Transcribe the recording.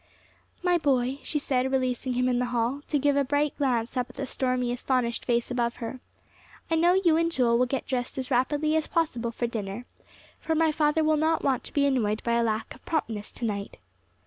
"My boy," she said, releasing him in the hall, to give a bright glance up at the stormy, astonished face above her, "I know you and Joel will get dressed as rapidly as possible for dinner, for my father will not want to be annoyed by a lack of promptness to night."